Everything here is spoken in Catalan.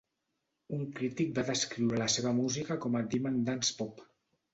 Un crític va descriure la seva música com a doom-and-dance-pop.